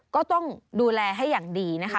ก็ต้องดูแลให้อย่างดีนะคะ